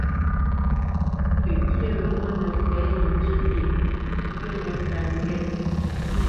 Təŋkyé weghó nə́ fɛ̌ yencyə̂ lyêʼ ŋgwə nə́kát ŋge.